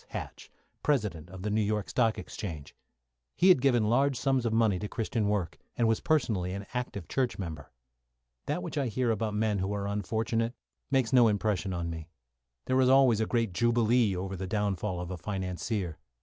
Hatch, President of the New York Stock Exchange. He had given large sums of money to Christian work, and was personally an active church member. That which I hear about men who are unfortunate makes no impression on me. There is always a great jubilee over the downfall of a financier.